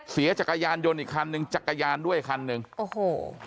จักรยานยนต์อีกคันหนึ่งจักรยานด้วยคันหนึ่งโอ้โห